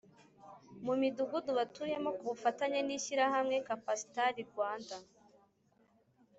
Mu midugudu batuyemo ku bufatanye n ishyirahamwe capacitar rwanda